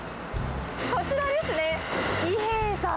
こちらですね、伊兵衛さん。